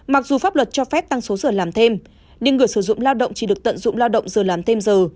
mặc dù pháp luật cho phép tăng số giờ làm thêm nhưng người sử dụng lao động chỉ được tận dụng lao động giờ làm thêm giờ